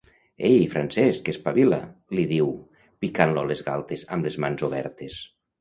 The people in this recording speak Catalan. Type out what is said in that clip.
Ei, Francesc, espavila! —li diu, picant-lo a les galtes amb les mans obertes.